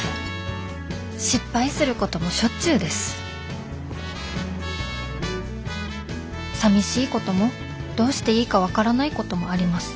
失敗することもしょっちゅうですさみしいこともどうしていいか分からないこともあります